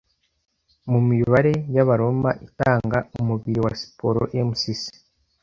mu mibare y'Abaroma itanga umubiri wa siporo MCC